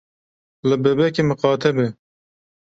Li bebekê miqate be.